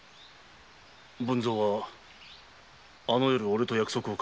文造はあの夜おれと約束をかわした。